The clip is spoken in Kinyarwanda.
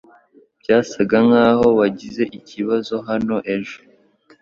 Byasaga nkaho wagize ikibazo hano ejo